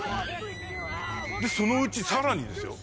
でそのうちさらにですよ